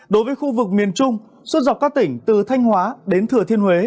đối với khu vực miền trung suốt dọc các tỉnh từ thanh hóa đến thừa thiên huế